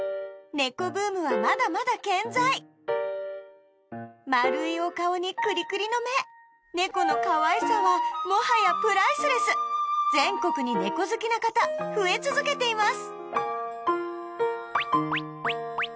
猫ブームはまだまだ健在丸いお顔にクリクリの目猫のかわいさはもはやプライスレス全国に猫好きな方増え続けています